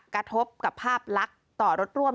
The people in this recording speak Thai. กระทบกับภาพลักษณ์ต่อรถร่วม